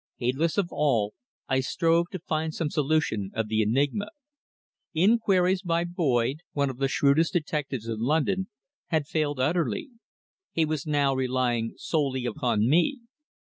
Heedless of all, I strove to find some solution of the enigma. Inquiries made by Boyd, one of the shrewdest detectives in London, had failed utterly. He was now relying solely upon me.